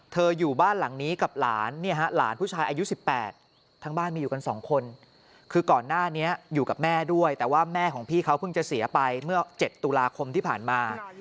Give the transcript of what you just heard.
อยู่บ้านหลังนี้กับหลานเนี่ยฮะหลานผู้ชายอายุ๑๘ทั้งบ้านมีอยู่กัน๒คนคือก่อนหน้านี้อยู่กับแม่ด้วยแต่ว่าแม่ของพี่เขาเพิ่งจะเสียไปเมื่อ๗ตุลาคมที่ผ่านมา